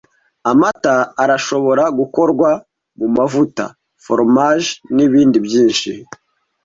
Amata arashobora gukorwa mumavuta, foromaje, nibindi byinshi.